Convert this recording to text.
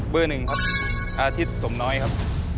เบอร์หนึ่งครับอาทิตย์สมน้อยครับ